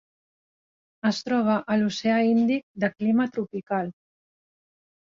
Es troba a l'Oceà Índic de clima tropical: